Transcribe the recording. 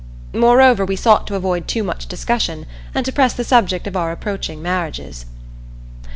Moreover, we sought to avoid too much discussion, and to press the subject of our approaching marriages.